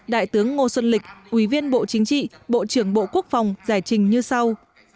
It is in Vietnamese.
đại tướng ngô xuân lịch ủy viên bộ chính trị bộ trưởng bộ quốc phòng giải trình như sau